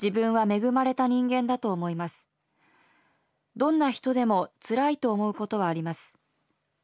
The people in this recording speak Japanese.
どんな人でもつらいと思うことはあります。